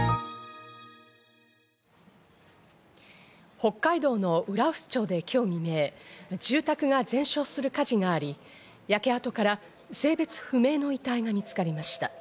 北海道の浦臼町で今日未明、住宅が全焼する火事があり、焼け跡から性別不明の遺体が見つかりました。